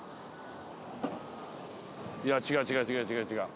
いや違う違う違う違う違う。